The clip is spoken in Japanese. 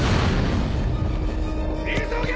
急げ！